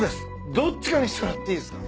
どっちかにしてもらっていいですか。